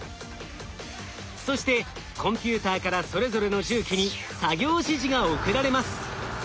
そしてコンピューターからそれぞれの重機に作業指示が送られます。